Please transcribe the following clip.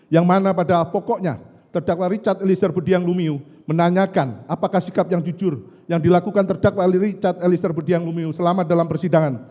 yang mana padahal pokoknya terdakwa richard eliezer budiang lumiu menanyakan apakah sikap yang jujur yang dilakukan terdakwa richard elisir budiang lumiu selama dalam persidangan